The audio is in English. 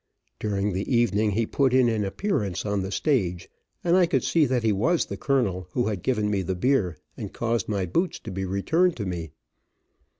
During the evening he put in an appearance on the stage, and I could see that he was the colonel who had given me the beer, and caused my boots to be returned to me.